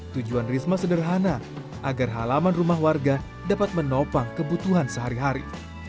tujuan risma sederhana agar halaman rumah warga dapat menopang kebutuhan sehari hari